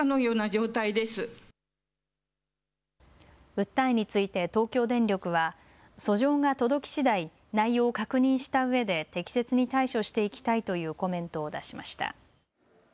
訴えについて東京電力は訴状が届きしだい内容を確認したうえで適切に対処していきたいというコメントを出しました。